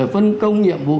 phân công nhiệm vụ